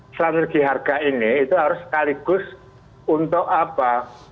strategi harga ini itu harus sekaligus untuk apa